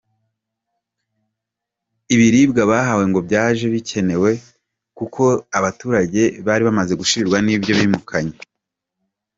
Ibiribwa bahawe ngo byaje bikene we kuko abaturage bari bamaze gushirirwa n’ibyo bimukanye.